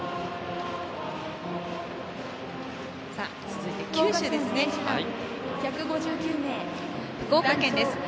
続いて九州ですね。